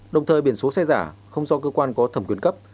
đồng thời biển số xe giả không do cơ quan có thẩm quyền cấp